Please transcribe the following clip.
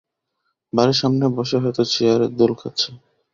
বাড়ির সামনে বসে হয়ত চেয়ারে দোল খাচ্ছে।